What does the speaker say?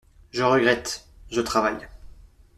Je regrette ! je travaille.